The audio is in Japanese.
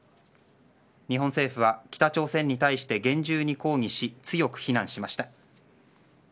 日本政府は北朝鮮に対して厳重に抗議し強く非難しました。